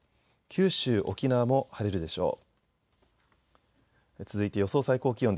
九州、沖縄も晴れるでしょう。